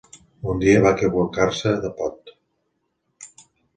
Un dia va equivocar-se de pot